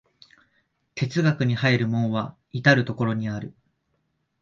哲学に入る門は到る処にある。